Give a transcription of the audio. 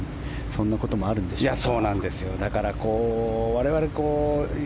そんなこともあるんでしょうか。